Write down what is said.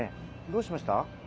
どうしました？